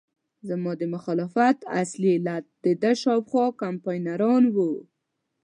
زما د مخالفت اصلي علت دده شاوخوا کمپاینران وو.